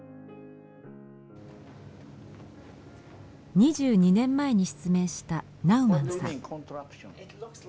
２２年前に失明したナウマンさん。